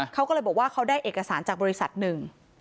เขาก็เลยบอกว่าเขาได้เอกสารจากบริษัทหนึ่ง